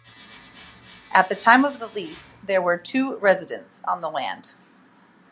At the time of the lease there were two residents on the land.